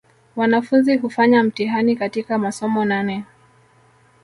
Wanafunzi hufanya mtihani katika masomo nane